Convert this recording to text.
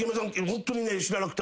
ホントにね知らなくて」